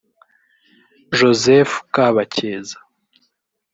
Joseph Kabakeza